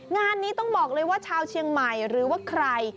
งานนี้ต้องบอกเลยว่าชาวเชียงใหม่หรือว่าใคร